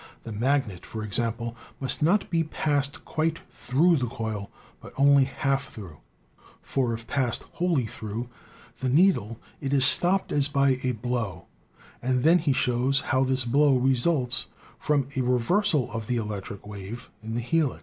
The magnet, for example, must not be passed quite through the coil, but only half through, for if passed wholly through the needle it is stopped as by a blow, and then he shows how this blow results from a reversal of the electric wave in the helix.